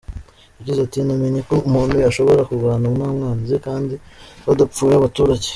Yagize ati :" Namenye ko umuntu ashobora kurwana n’umwanzi, kandi hadapfuye abaturage.